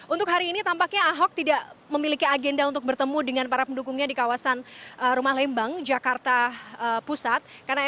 untuk hari ini tampaknya ahok tidak memiliki agenda untuk bertemu dengan para pendukungnya di kawasan rumah lembang jakarta pusat